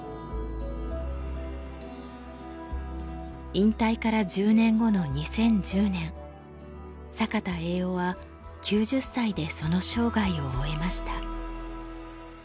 引退から１０年後の２０１０年坂田栄男は９０歳でその生涯を終えました。